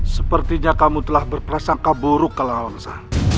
sepertinya kamu telah berpersangka buruk kalahansa